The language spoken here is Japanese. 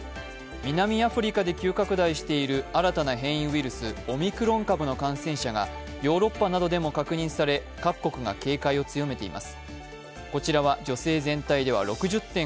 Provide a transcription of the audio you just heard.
南アフリカで旧拡大している新たな変異株、オミクロン株の感染者がヨーロッパなどでも確認され、各国が警戒を強めています。